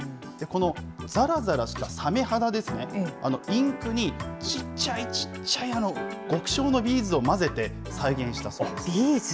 このざらざらしたサメ肌ですね、インクにちっちゃいちっちゃい極小のビーズを混ぜて再現したそうです。